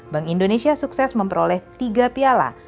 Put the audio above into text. bank indonesia sukses memperoleh tiga piala